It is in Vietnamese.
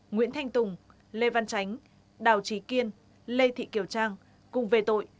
nguyễn thanh tùng lê văn chánh đào trí kiên lê thị kiều trang cùng về tội